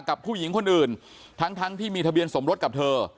กับผู้หญิงคนอื่นทั้งที่มีทะเบียนสมรสกับเธอ